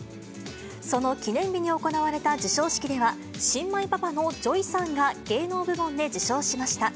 その記念日に行われた授賞式では、新米パパのＪＯＹさんが芸能部門で受賞しました。